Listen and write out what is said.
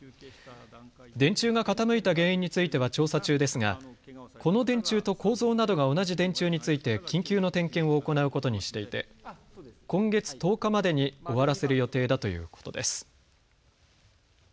電柱が傾いた原因については調査中ですがこの電柱と構造などが同じ電柱について緊急の点検を行うことにしていて今月１０日までに終わらせる予定だということです。